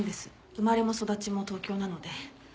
生まれも育ちも東京なので。